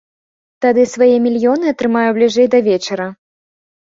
Тады свае мільёны атрымаю бліжэй да вечара.